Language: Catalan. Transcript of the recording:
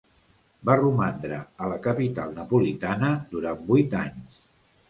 Va romandre a la capital napolitana durant vuit anys.